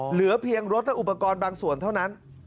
เหลือเพียงรถและอุปกรณ์บางส่วนเท่านั้น